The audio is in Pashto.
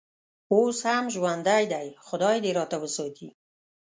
اوس هم ژوندی دی، خدای دې راته وساتي.